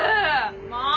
もう！